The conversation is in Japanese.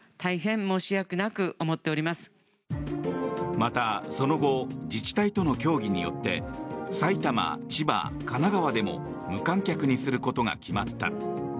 また、その後自治体との協議によって埼玉、千葉、神奈川でも無観客にすることが決まった。